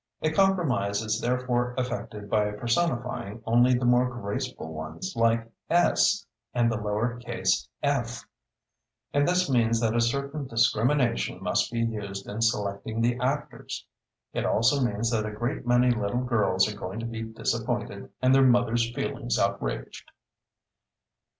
A compromise is therefore effected by personifying only the more graceful ones, like S and the lower case f, and this means that a certain discrimination must be used in selecting the actors. It also means that a great many little girls are going to be disappointed and their mothers' feelings outraged.